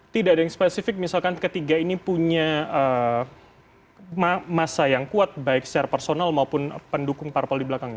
tidak ada yang spesifik misalkan ketiga ini punya masa yang kuat baik secara personal maupun pendukung parpol di belakangnya